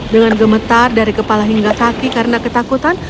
dengan gemetar dari kepala hingga kaki karena ketakutan